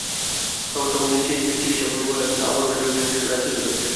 তখন তিনি চিৎকার করলে আশপাশের লোকজন ছুটে এসে রাসেলকে ধরে ফেলে।